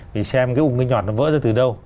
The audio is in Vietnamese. vì xem cái ung cái nhọt nó vỡ ra từ đâu